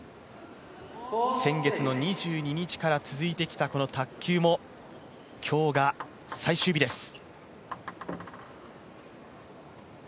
先月の２２日から続いてきた卓球も今日が最終日です。